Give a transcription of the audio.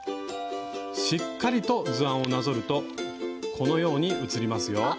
しっかりと図案をなぞるとこのように写りますよ。